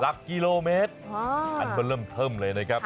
หลักกิโลเมตรอันก็เริ่มเทิมเลยนะครับ